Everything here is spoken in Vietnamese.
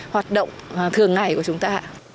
hoạt động thường ngày của chúng ta